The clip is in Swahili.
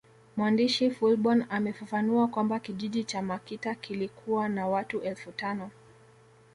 Mwandishi Fullborn amefafanua kwamba kijiji cha Makita kilikuwa na watu elfu tano